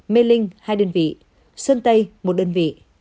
mê linh hai đơn vị sơn tây một đơn vị